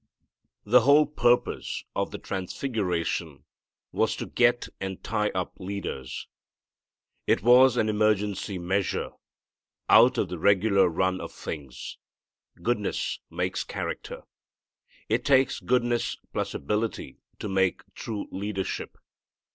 The whole purpose of the transfiguration was to get and tie up leaders. It was an emergency measure, out of the regular run of things. Goodness makes character. It takes goodness plus ability to make true leadership.